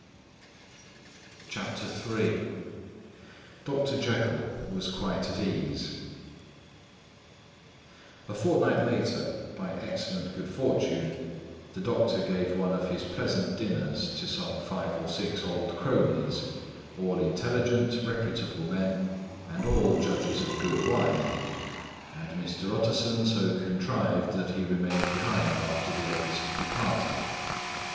DR. JEKYLL WAS QUITE AT EASE A fortnight later, by excellent good fortune, the doctor gave one of his pleasant dinners to some five or six old cronies, all intelligent, reputable men and all judges of good wine; and Mr. Utterson so contrived that he remained behind after the others had departed.